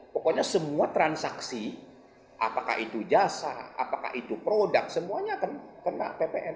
pokoknya semua transaksi apakah itu jasa apakah itu produk semuanya akan kena ppn